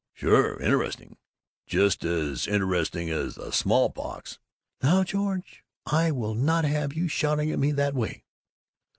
Sure! Interesting! Just as interesting as the small pox!" "Now, George, I will not have you shouting at me that way!"